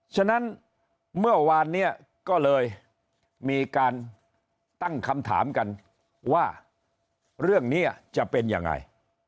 ฉะนั้นเมื่อวานนี้ก็เลยมีการตั้งคำถามกันว่าเรื่องนี้จะเป็นยังไง